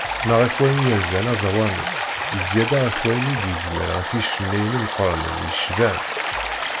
Ma ɣef wayen yerzan aẓawan-is, zyada ɣef wayen i d-yegmer ɣer yicennayen imeqqranen, yecban.